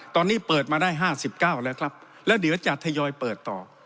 ตอนนี้เปิดมาได้๕๙แล้วครับแล้วเดี๋ยวจะทยอยเปิดต่อ